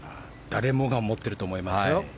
誰もが思ってると思いますよ。